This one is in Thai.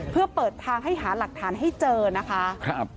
เพื่อเปิดทางให้หาหลักฐานให้เจอนะคะ